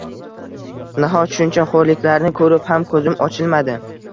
Nahot shuncha xo’rliklarni ko’rib ham ko’zim ochilmadi!